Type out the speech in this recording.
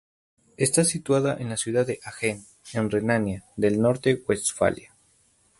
Está situada en la ciudad de Hagen, en Renania del Norte-Westfalia.